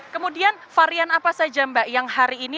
kemudian varian apa saja mbak yang hari ini